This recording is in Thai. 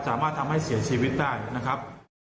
สามารถทำให้เสียชีวิตได้นะครับ